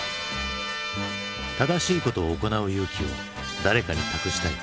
正しいことを行う勇気を誰かに託したい。